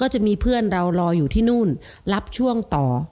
จะมีเพื่อนเรารออยู่ที่นู่นรับช่วงต่อ